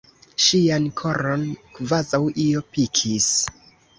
Ŝian koron kvazaŭ io pikis.